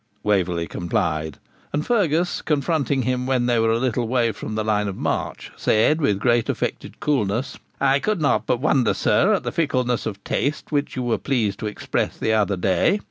Waverley complied; and Fergus, confronting him when they were a little way from the line of march, said, with great affected coolness, 'I could not but wonder, sir, at the fickleness of taste which you were pleased to express the other day.